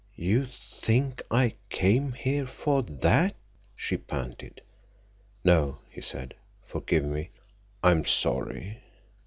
"You think—I came here for that?" she panted. "No," he said. "Forgive me. I am sorry."